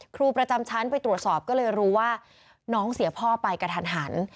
ครูประจำชั้นไปตรวจสอบก็เลยรู้ว่าน้องเสียพ่อไปกระทันหัน